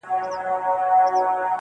درې ملګري وه یو علم بل عزت وو؛